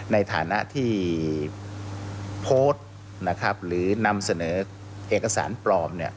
ในฐานะที่โพสต์หรือนำเสนอเอกสารปลอม